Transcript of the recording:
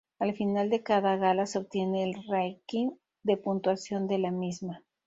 Al final de cada gala se obtiene el ranking de puntuación de la misma.